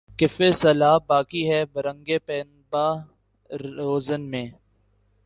کفِ سیلاب باقی ہے‘ برنگِ پنبہ‘ روزن میں